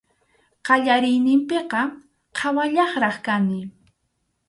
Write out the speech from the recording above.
Qallariyninpiqa qhawallaqraq kani.